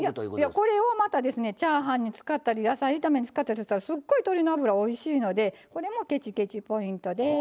これをまたチャーハンに使ったり野菜炒めに使ったりしたらすっごい鶏の脂おいしいのでこれもケチケチ・ポイントです。